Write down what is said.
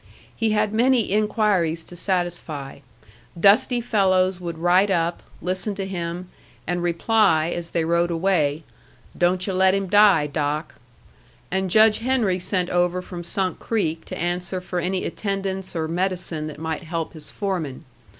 He had many inquiries to satisfy. Dusty fellows would ride up, listen to him, and reply, as they rode away, "Don't yu' let him die, Doc." And Judge Henry sent over from Sunk Creek to answer for any attendance or medicine that might help his foreman.